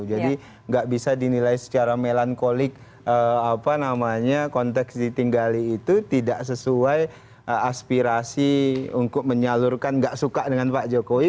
jadi nggak bisa dinilai secara melankolik konteks ditinggali itu tidak sesuai aspirasi untuk menyalurkan nggak suka dengan pak jokowi